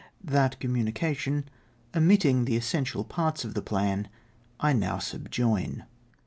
That communication, omitting the essential parts of the plan, I now subjoin.